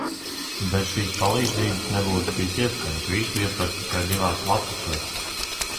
Bez šīs palīdzības nebūtu bijis iespējams visu ietvert tikai divās lappusēs.